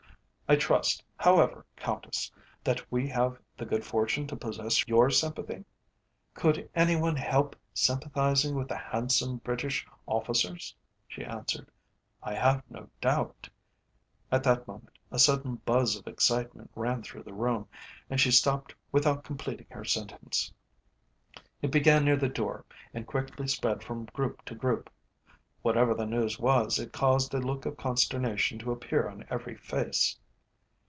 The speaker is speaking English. "I trust, however, Countess, that we have the good fortune to possess your sympathy?" "Could any one help sympathising with the handsome British officers?" she answered. "I have no doubt " At that moment a sudden buzz of excitement ran through the room, and she stopped without completing her sentence. It began near the door, and quickly spread from group to group. Whatever the news was, it caused a look of consternation to appear on every face.